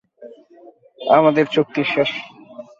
আমাদের চুক্তি শেষ।